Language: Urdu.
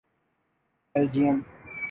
بیلجیم